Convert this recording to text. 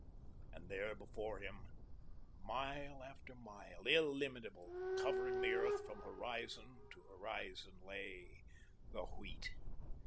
And there before him, mile after mile, illimitable, covering the earth from horizon to horizon, lay the Wheat.